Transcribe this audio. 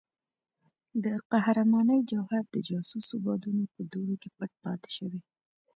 د قهرمانۍ جوهر د جاسوسو بادونو په دوړو کې پټ پاتې شوی.